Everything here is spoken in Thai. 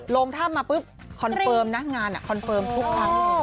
ลงถ้ำมาปุ๊บคอนเฟิร์มนะงานคอนเฟิร์มทุกครั้ง